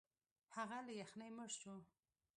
هغه له یخنۍ مړ شو.